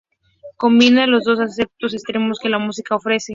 Combina los dos aspectos extremos que la música ofrece.